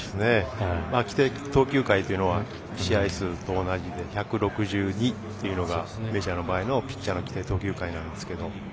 規定投球回というのは試合数と同じで１６２っていうのがメジャーの場合のピッチャーの規定投球回なんですけど。